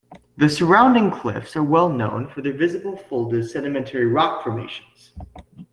The surrounding cliffs are well known for their visible folded sedimentary rock formations.